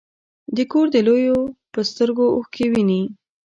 د کور د لویو په سترګو اوښکې وینې.